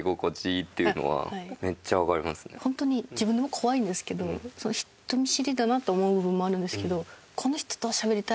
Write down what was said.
本当に自分でも怖いんですけど人見知りだなと思う部分もあるんですけど。